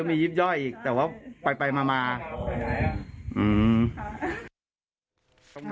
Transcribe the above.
ก็จะมียิบย่อยอีกแต่ว่าไปไปมามาไปไหนอ่ะอืม